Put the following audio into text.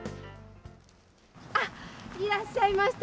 あっ、いらっしゃいました。